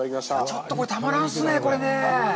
ちょっとこれ、たまらんっすね。